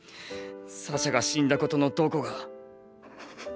サシャが死んだことのどこが。